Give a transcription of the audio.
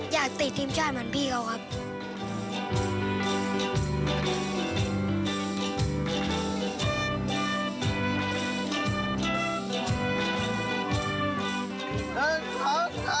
อยากติดทีมชาติเหมือนพี่เขาครับ